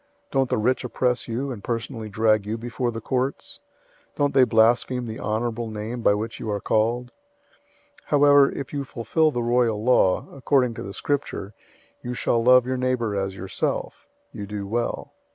Don't the rich oppress you, and personally drag you before the courts? 002:007 Don't they blaspheme the honorable name by which you are called? 002:008 However, if you fulfill the royal law, according to the Scripture, "You shall love your neighbor as yourself,"{Leviticus 19:18} you do well.